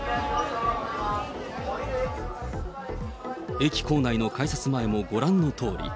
駅構内の改札前もご覧のとおり。